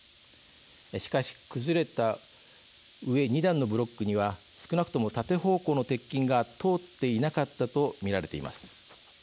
しかし、崩れた上２段のブロックには少なくとも縦方向の鉄筋が通っていなかったと見られています。